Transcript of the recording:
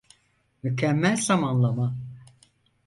Mükemmel zamanlama.